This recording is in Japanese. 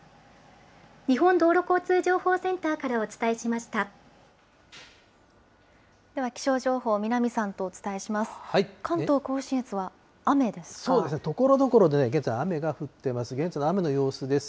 日本道路交通情報センターからおでは気象情報、南さんとお伝えします。